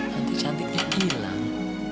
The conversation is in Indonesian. nanti cantiknya hilang